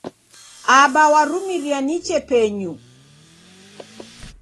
Aba warumiria niche penyu.